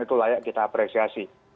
itu layak kita apresiasi